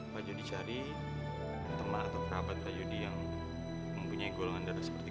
pak jodi cari teman atau perahabat pak jodi yang mempunyai golongan darah seperti kege